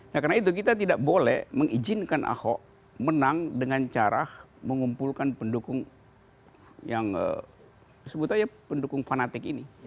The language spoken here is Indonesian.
nah karena itu kita tidak boleh mengizinkan ahok menang dengan cara mengumpulkan pendukung yang sebut aja pendukung fanatik ini